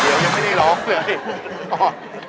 เดี๋ยวอย่างนี้ร้องเหรอ